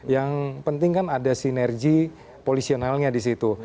yang penting kan ada sinergi polisionalnya di situ